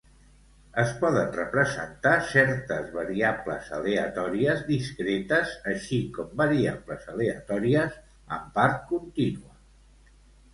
Es poden representar certes variables aleatòries discretes així com variables aleatòries amb part contínua